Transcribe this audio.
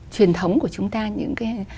truyền thống của chúng ta những cái